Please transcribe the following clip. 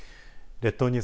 列島ニュース